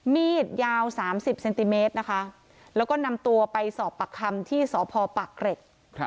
มีดยาว๓๐เซนติเมตรนะคะแล้วก็นำตัวไปสอบปากคำที่สพปากเกร็ด